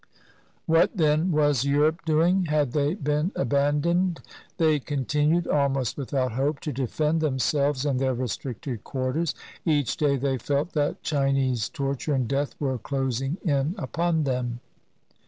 What, then, was Europe doing? Had they been aban doned? They continued, almost without hope, to defend themselves in their restricted quarters. Each day ithey felt that Chinese torture and death were closing in upon them.